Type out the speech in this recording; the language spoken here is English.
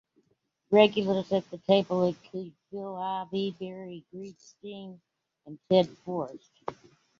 Regulars at the table include Phil Ivey, Barry Greenstein, and Ted Forrest.